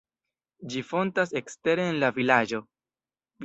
Ĝi fontas ekstere en la vilaĝo.